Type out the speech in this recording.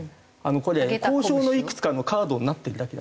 これ交渉のいくつかのカードになってるだけであって。